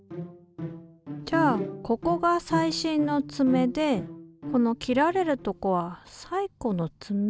じゃあここが最新のつめでこの切られるとこは最古のつめ？